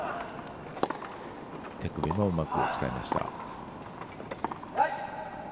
手首もうまく使いました。